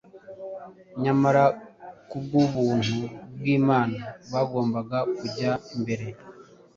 nyamara kubw’ubuntu bw’Imana bagombaga kujya mbere,